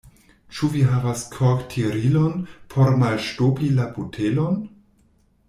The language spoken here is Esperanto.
Ĉu vi havas korktirilon, por malŝtopi la botelon?